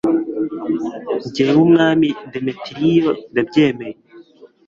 jyewe umwami demetiriyo ndabyemeye